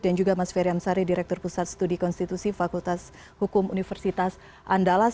dan juga mas ferry amsari direktur pusat studi konstitusi fakultas hukum universitas andalas